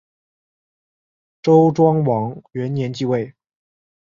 周庄王元年即位。